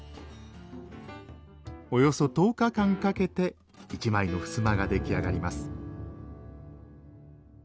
およそ１０日間かけて一枚の襖が出来上がります